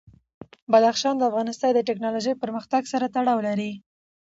بدخشان د افغانستان د تکنالوژۍ پرمختګ سره تړاو لري.